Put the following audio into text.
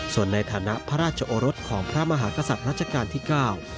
ส่วนในฐานะพระราชโอรสของพระมหากษัตริย์รัชกาลที่เก้า